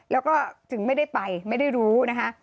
แล้วก็ถึงไม่ได้ไปไม่ได้รู้นะคะ